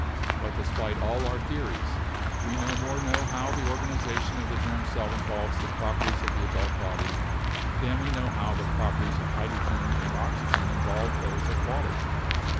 But despite all our theories, we no more know how the organization of the germ cell involves the prop erties of the adult body than we know how the properties of hydrogen and oxygen involve those of water.